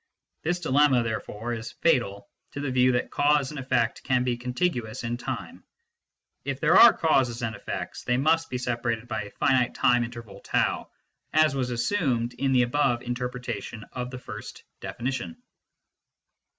This dilemma, therefore, is fatal to the view that cause and effect can be contiguous in time ; if there are causes and effects, they must be separated by a finite time interval r, as was assumed in the above inter pretation of the first definition.